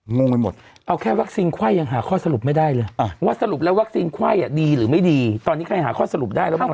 งงไปหมดเอาแค่วัคซีนไข้ยังหาข้อสรุปไม่ได้เลยว่าสรุปแล้ววัคซีนไข้ดีหรือไม่ดีตอนนี้ใครหาข้อสรุปได้แล้วบ้างล่ะ